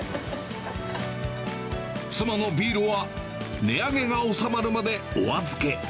妻のビールは値上げが収まるまでおあずけ。